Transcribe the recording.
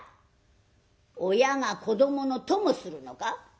「親が子どもの供するのか？」。